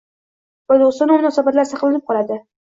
va do‘stona munosabatlar saqlabnib qoladi.